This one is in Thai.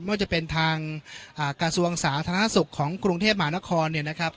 ว่าจะเป็นทางกระทรวงสาธารณสุขของกรุงเทพมหานครเนี่ยนะครับ